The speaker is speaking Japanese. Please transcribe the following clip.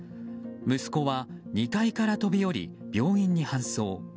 息子は２階から飛び降り病院に搬送。